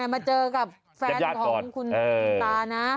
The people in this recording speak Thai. มาเจอกับแฟนของคุณตานะ